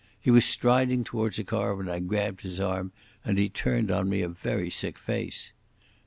He was striding towards a car when I grabbed his arm, and he turned on me a very sick face.